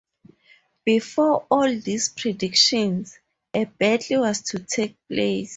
Before all these predictions, a battle was to take place.